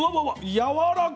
やわらか！